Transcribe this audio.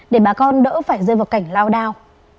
để bà con đỡ phải rơi vào cảnh lao đao